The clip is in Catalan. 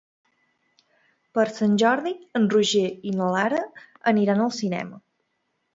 Per Sant Jordi en Roger i na Lara aniran al cinema.